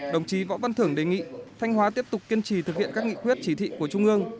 đồng chí võ văn thưởng đề nghị thanh hóa tiếp tục kiên trì thực hiện các nghị quyết chỉ thị của trung ương